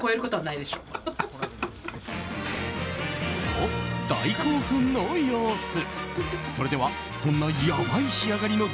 と、大興奮の様子。